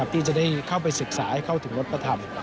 ที่จะได้เข้าไปศึกษาเข้าถึงรสพะธรรม